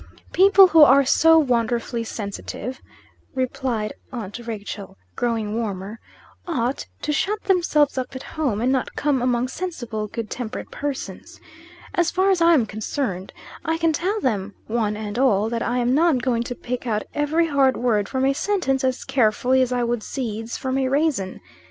"People who are so wonderfully sensitive," replied aunt Rachel, growing warmer, "ought to shut themselves up at home, and not come among sensible, good tempered persons. As far as I am concerned, I can tell them, one and all, that I am not going to pick out every hard word from a sentence as carefully as I would seeds from a raisin.